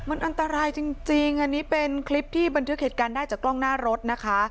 มันอันตรายจริงอันนี้เป็นคลิปที่บันทึกเหตุการณ์ได้จากกล้องหน้ารถนะคะ